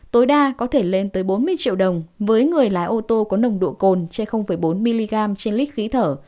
tối đa có thể lên tới bốn mươi triệu đồng với người lái ô tô có nồng độ cồn trên bốn mg trên lít khí thở